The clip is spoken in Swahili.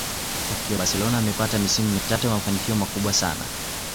Akiwa Barcelona amepata misimu mitatu ya mafanikio makubwa sana